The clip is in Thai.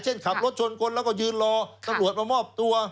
เช่นขับรถชนคนแล้วก็ยืนรอตลอดมามอบตัว